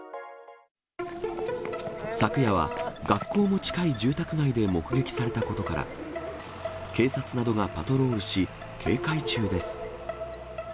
昨夜は学校も近い住宅街で目撃されたことから、警察などがパトロールし、警戒中です。